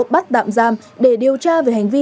bắt tạm giam để điều tra về hành vi